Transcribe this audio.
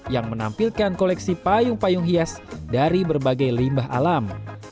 yang menampilkan koleksi payung payung hias dari berbagai limbah alam